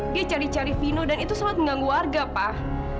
dia cari cari vino dan itu sangat mengganggu warga pak